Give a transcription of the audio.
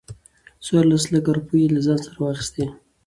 څورلس لکه روپۍ يې له ځان سره واخستې.